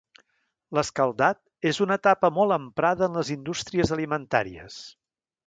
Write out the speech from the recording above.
L'escaldat és una etapa molt emprada en les indústries alimentàries.